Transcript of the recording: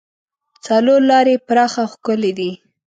څلور لارې یې پراخه او ښکلې دي.